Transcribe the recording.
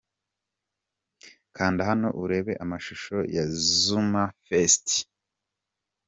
Kanda hano urebe amashusho ya 'Zomerfeest'.